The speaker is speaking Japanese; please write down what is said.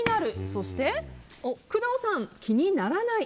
そして、工藤さん気にならない。